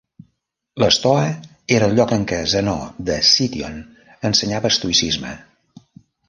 La Stoa era el lloc en què Zenó de Cítion ensenyava estoïcisme.